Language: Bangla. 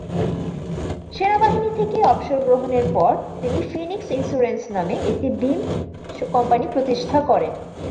সেনাবাহিনী থেকে অবসর গ্রহণের পর তিনি ফিনিক্স ইন্স্যুরেন্স নামে একটি বীম কোম্পানি প্রতিষ্ঠা করেন।